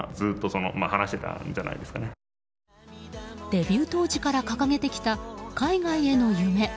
デビュー当時から掲げてきた海外への夢。